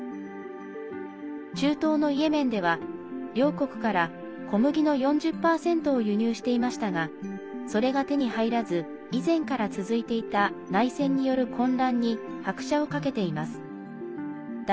中東のイエメンでは両国から小麦の４０％を輸入していましたがそれが手に入らず以前から続いていた内戦による混乱に拍車をかけています。